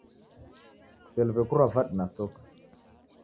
Kuseliw'e kurwa vadu na soksi.